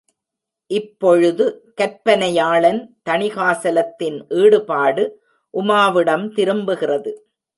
இப்பொழுது கற்பனையாளன் தணிகாசலத்தின் ஈடுபாடு உமாவிடம் திரும்புகிறது.